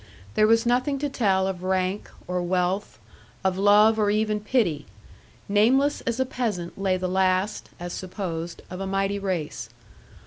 There was nothing to tell of rank, or wealth, of love, or even pity; nameless as a peasant lay the last (as supposed) of a mighty race.